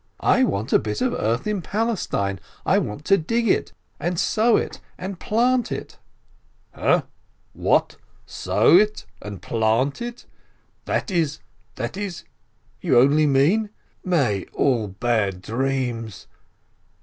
"I want a bit of earth in Palestine, I want to dig it, and sow it, and plant it ...'' "Ha? What? Sow it and plant it?! That is ... that is ... you only mean ... may all bad dreams!